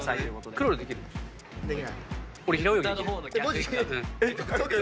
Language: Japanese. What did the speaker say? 俺クロールならできる。